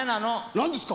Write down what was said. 何ですか？